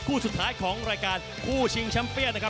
คู่สุดท้ายของรายการคู่ชิงแชมป์เปียนนะครับ